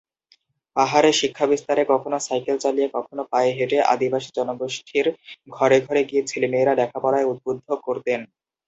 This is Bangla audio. পাহাড়ে শিক্ষা বিস্তারে কখনো সাইকেল চালিয়ে কখনো পায়ে হেঁটে আদিবাসী জনগোষ্ঠীর ঘরে ঘরে গিয়ে ছেলেমেয়েদের পড়ালেখায় উদ্বুদ্ধ করতেন।